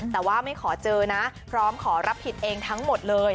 แต่ว่าไม่ขอเจอนะพร้อมขอรับผิดเองทั้งหมดเลย